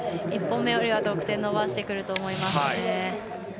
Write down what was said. １本目よりは得点伸ばしてくると思います。